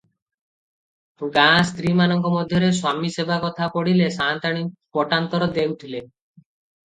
ଗାଁ ସ୍ତ୍ରୀମାନଙ୍କ ମଧ୍ୟରେ ସ୍ୱାମୀସେବା କଥା ପଡ଼ିଲେ, ସାଆନ୍ତାଣୀଙ୍କୁ ପଟାନ୍ତର ଦେଉଥିଲେ ।